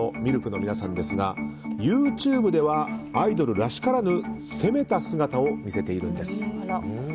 ＬＫの皆さんですがＹｏｕＴｕｂｅではアイドルらしからぬ攻めた姿を見せているんです。